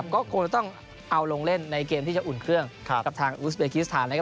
ก็คงจะต้องเอาลงเล่นในเกมที่จะอุ่นเครื่องกับทางอุสเบกิสถานนะครับ